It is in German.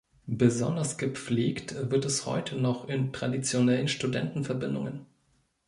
Besonders gepflegt wird es heute noch in traditionellen Studentenverbindungen.